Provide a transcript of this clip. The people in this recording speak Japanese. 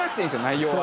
内容は。